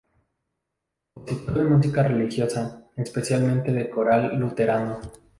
Compositor de música religiosa, especialmente de coral luterano.